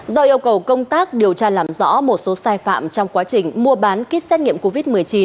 do yêu cầu công tác điều tra làm rõ một số sai phạm trong quá trình mua bán kit xét nghiệm covid một mươi chín